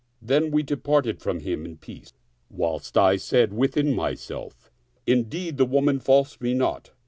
Then we departed from him in peace, whilst I said within myself, " Indeed, the woman falsed me not."